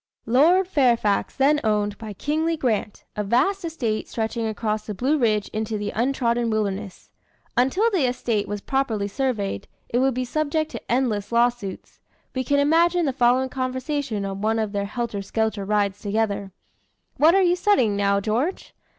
Lord Fairfax then owned, by kingly grant, a vast estate stretching across the Blue Ridge into the untrodden wilderness. Until the estate was properly surveyed, it would be subject to endless lawsuits. We can imagine the following conversation on one of their helter skelter rides together: "What are you studying now, George?"